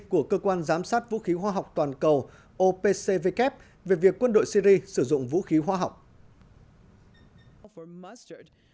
của cơ quan giám sát vũ khí hoa học toàn cầu opcwk về việc quân đội syri sử dụng vũ khí hoa học